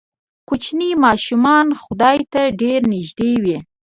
کوچني ماشومان خدای ته ډېر نږدې وي.